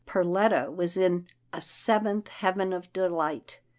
" Perletta was in a seventh heaven of delight.